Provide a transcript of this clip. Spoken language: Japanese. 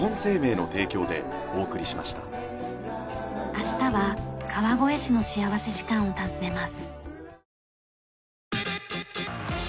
明日は川越市の幸福時間を訪ねます。